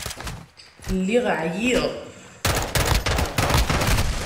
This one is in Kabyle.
Lliɣ ɛyiɣ.